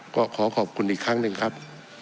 ก็ขอขอบคุณอีกครั้งหนึ่งครับ